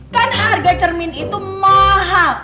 kan harga cermin itu mahal